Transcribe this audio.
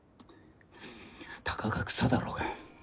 たかが草だろうが。